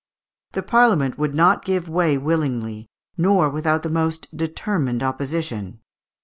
The Parliament would not give way willingly, nor without the most determined opposition.